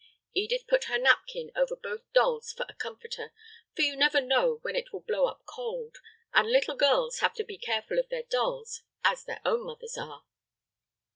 Edith put her napkin over both dolls for a comforter, for you never know when it will blow up cold, and little girls have to be as careful of their dolls as their own mothers are!